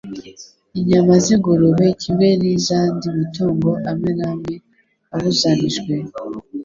Inyama z'ingurube kimwe n'iz'andi matungo amwe namwe abuzanijwe,